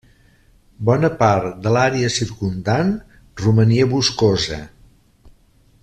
Bona part de l'àrea circumdant romania boscosa.